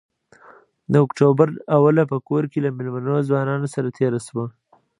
د اکتوبر اوله په کور له مېلمنو ځوانانو سره تېره شوه.